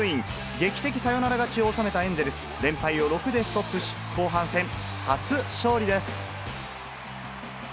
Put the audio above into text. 劇的サヨナラ勝ちを収めたエンゼルス、連敗を６でストップし、後半戦、初勝利です。